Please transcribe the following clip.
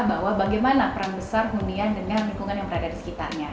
bahwa bagaimana peran besar hunian dengan lingkungan yang berada di sekitarnya